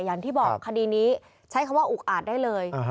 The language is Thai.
อย่างที่บอกคดีนี้ใช้คำว่าอุกอาจได้เลย